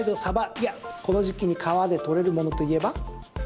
いや、この時期に川で取れるものといえば？